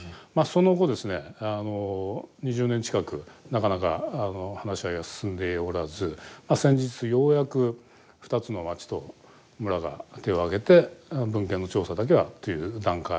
その後ですね２０年近くなかなか話し合いが進んでおらずまあ先日ようやく２つの町と村が手を挙げて文献の調査だけはという段階で。